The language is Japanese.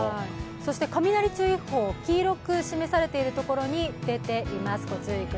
そして雷注意報、黄色く示されているところに出ています。